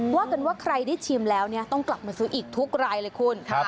ว่ากันว่าใครได้ชิมแล้วเนี่ยต้องกลับมาซื้ออีกทุกรายเลยคุณ